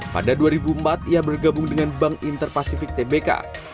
pada dua ribu empat ia bergabung dengan bank interpasifik tbk